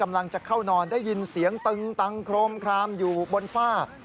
กำลังจะเข้านอนได้ยินเสียงตึงตังโครมคลามอยู่บนฝ้า